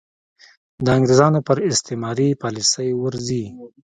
د انګرېزانو پر استعماري پالیسۍ ورځي.